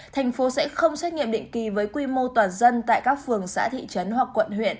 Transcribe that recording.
thành phố sẽ không xét nghiệm định kỳ với quy mô toàn dân tại các phường xã thị trấn hoặc quận huyện